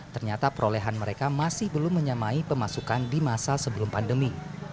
ternyata perolehan mereka masih belum menyamai pemasukan di masa sebelum pandemi